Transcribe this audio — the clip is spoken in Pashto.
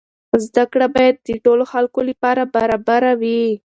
زده کړه باید د ټولو خلکو لپاره برابره وي.